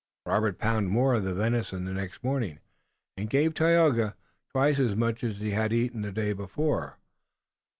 Robert pounded more of the venison the next morning and gave Tayoga twice as much as he had eaten the day before.